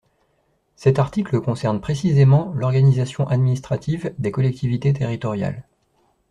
Cet article concerne précisément l’organisation administrative des collectivités territoriales.